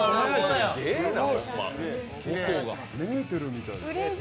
メーテルみたい。